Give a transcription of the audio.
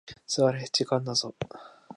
座れ、時間だぞ。